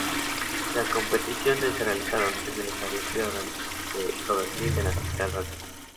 Las competiciones se realizaron en el Estadio Pierre de Coubertin de la capital francesa.